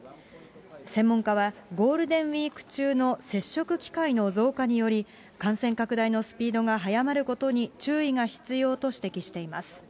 専門家はゴールデンウィーク中の接触機会の増加により、感染拡大のスピードが速まることに注意が必要と指摘しています。